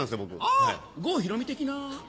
あ郷ひろみ的な。